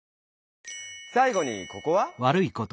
さい後にここは？